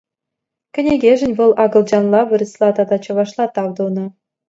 Кӗнекешӗн вӑл акӑлчанла, вырӑсла тата чӑвашла тав тунӑ.